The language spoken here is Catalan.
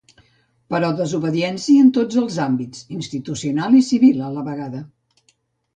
Però desobediència en tots els àmbits, institucional i civil a la vegada.